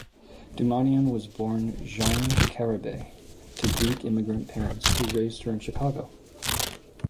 Doumanian was born Jean Karabas to Greek immigrant parents, who raised her in Chicago.